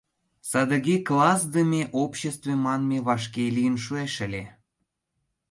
Садыге классдыме обществе манме вашке лийын шуэш ыле.